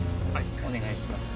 お願いします